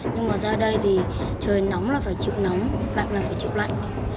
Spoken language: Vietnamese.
nhưng mà ra đây thì trời nóng là phải chịu nóng lạnh là phải chịu lạnh